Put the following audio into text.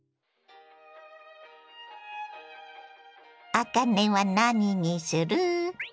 あかねは何にする？